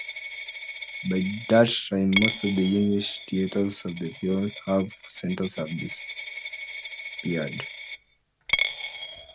By that time, most of the Yiddish theaters of the prior half-century had disappeared.